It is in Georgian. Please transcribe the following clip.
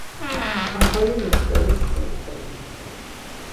ახალი მოსკოვის ცენტრი.